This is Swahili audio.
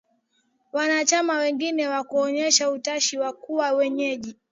Wanachama wengine hawakuonyesha utashi wa kuwa wenyeji.